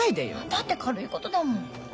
だって軽いことだもん。